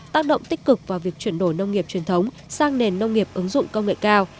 tác động tích cực vào việc chuyển đổi nông nghiệp truyền thống sang nền nông nghiệp ứng dụng công nghệ cao